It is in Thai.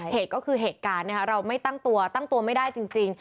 เหตุก็คือเหตุการณ์เราไม่ตั้งตัวตั้งตัวไม่ได้จริง